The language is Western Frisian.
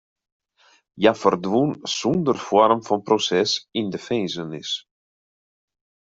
Hja ferdwûn sûnder foarm fan proses yn de finzenis.